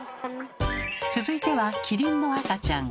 続いてはキリンの赤ちゃん。